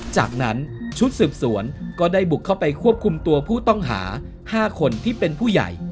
จากนั้นชุดสืบสวนก็ได้บุกเข้าไปควบคุมตัวผู้ต้องหา๕คนที่เป็นผู้ใหญ่